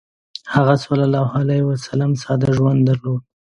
هغه ﷺ ساده ژوند درلود.